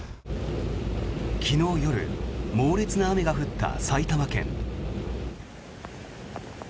昨日夜、猛烈な雨が降った埼玉県。